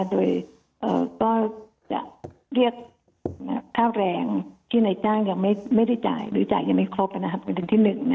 โดยก็จะเรียกค่าแรงที่นายจ้างยังไม่ได้จ่ายหรือจ่ายยังไม่ครบประเด็นที่๑